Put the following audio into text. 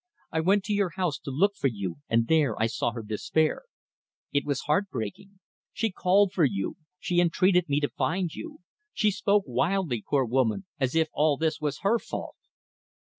"I went to your house to look for you and there I saw her despair. It was heart breaking. She called for you; she entreated me to find you. She spoke wildly, poor woman, as if all this was her fault."